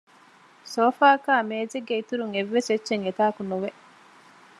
ސޯފާއަކާއި މޭޒެއްގެ އިތުރުން އެއްވެސް އެއްޗެއް އެތާކު ނުވެ